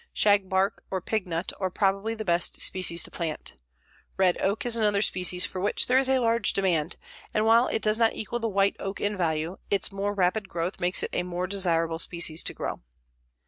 Shagbark or pignut are probably the best species to plant. Red oak is another species for which there is a large demand, and while it does not equal the white oak in value, its more rapid growth makes it a more desirable species to grow.